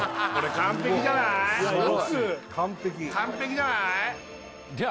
完璧完璧じゃない？